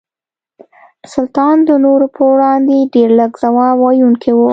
سلطان د نورو په وړاندې ډېر لږ ځواب ویونکي وو.